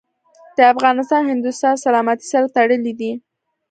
د افغانستان او هندوستان سلامتي سره تړلي دي.